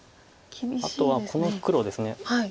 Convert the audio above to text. あとはこの黒です。